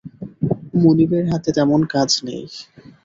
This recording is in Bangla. মুনিরের হাতে তেমন কোজ নেই।